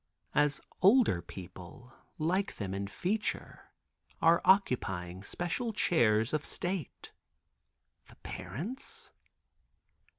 As older people, like them in feature are occupying special chairs of state—the parents?